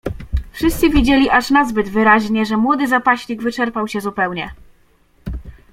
"Wszyscy widzieli aż nazbyt wyraźnie, że młody zapaśnik wyczerpał się zupełnie."